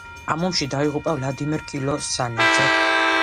ამ ომში დაიღუპა ვლადიმერ კილოსანიძე.